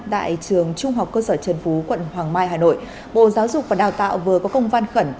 tại trường trung học cơ sở trần phú quận hoàng mai hà nội bộ giáo dục và đào tạo vừa có công văn khẩn